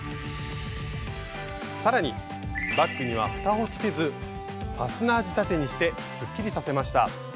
さらにバッグには蓋をつけずファスナー仕立てにしてすっきりさせました。